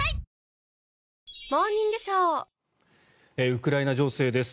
ウクライナ情勢です。